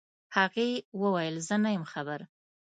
هغې وويل زه نه يم خبر.